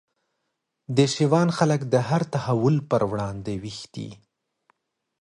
د شېوان خلک د هر تحول پر وړاندي ویښ دي